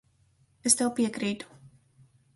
Es tev piekrītu.